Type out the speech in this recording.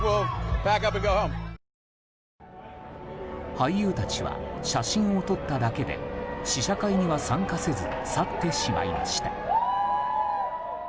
俳優たちは写真を撮っただけで試写会には参加せず去ってしまいました。